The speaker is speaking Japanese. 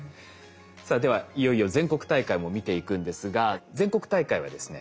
さあではいよいよ全国大会も見ていくんですが全国大会はですね